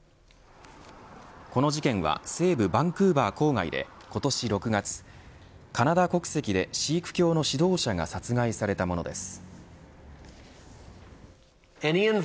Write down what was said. この事件は西部バンクーバー郊外で今年６月カナダ国籍でシーク教の指導者が殺害されたものです。